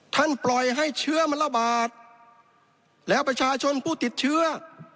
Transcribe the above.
ปล่อยให้เชื้อมันระบาดแล้วประชาชนผู้ติดเชื้อ